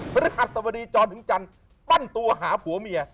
สวรรคศบรีจอนถึงจันทร์ตั้นตัวห่าผัวเมีย